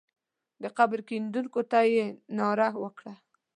د قبر کیندونکو ته یې ناره وکړه.